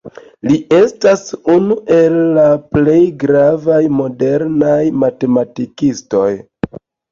Li estas unu el la plej gravaj modernaj matematikistoj.